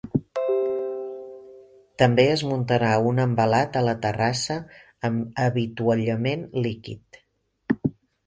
També és muntarà un envelat a la terrassa amb avituallament líquid.